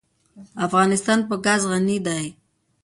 افغانستان په ګاز غني دی.